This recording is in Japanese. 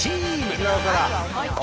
沖縄から。